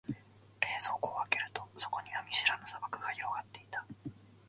冷蔵庫を開けると、そこには見知らぬ砂漠が広がっていた。